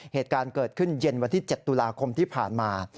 เหตุการณ์เกิดขึ้นเย็นวันที่๗ตุลาคมที่ผ่านมา